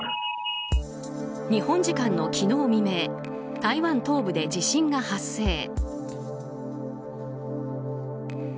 日本時間の昨日未明台湾東部で地震が発生。